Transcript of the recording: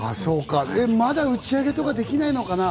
まだ打ち上げとかできないのかな？